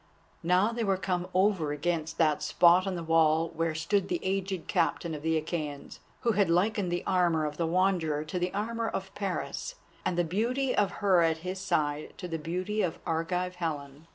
Now they were come over against that spot in the wall where stood the aged Captain of the Achæans, who had likened the armour of the Wanderer to the armour of Paris, and the beauty of her at his side to the beauty of Argive Helen.